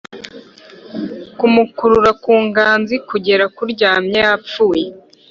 kumukurura ku ngazi kugera kuryamye yapfuye.